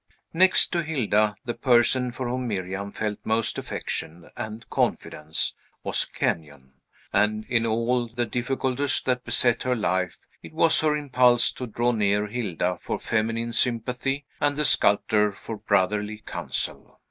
Next to Hilda, the person for whom Miriam felt most affection and confidence was Kenyon; and in all the difficulties that beset her life, it was her impulse to draw near Hilda for feminine sympathy, and the sculptor for brotherly counsel.